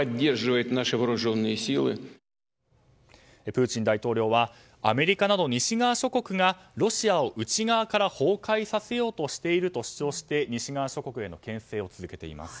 プーチン大統領はアメリカなど西側諸国がロシアを内側から崩壊させようとしていると主張して、西側諸国への牽制を続けています。